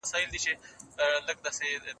هغه د يو اړخيزو پرېکړو مخه ونيوه.